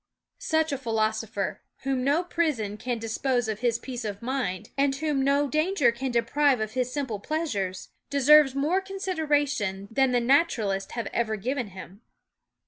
Such a philosopher, whom no prison can dispossess of his peace of mind, and whom no danger can deprive of his simple pleasures, deserves more consideration than the natural ists have ever given him.